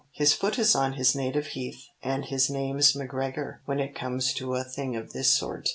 "His foot is on his native heath and his name's 'McGregor' when it comes to a thing of this sort."